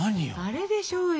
あれでしょよ。